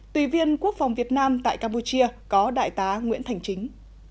tùy viên quốc phòng việt nam tại campuchia có đại tá nguyễn thành chính